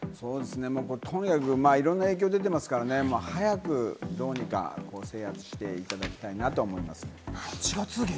とにかくいろんな影響出てますからね、早くどうにか制圧していただきたいなと思います。